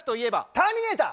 「ターミネーター」。